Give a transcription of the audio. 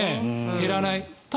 減らない。